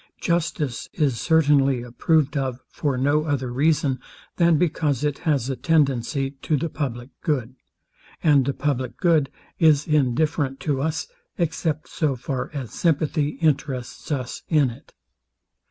Justice is certainly approved of for no other reason, than because it has a tendency to the public good: And the public good is indifferent to us, except so far as sympathy interests us in it.